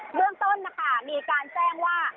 เรื่องต้นนะคะมีการแจ้งว่า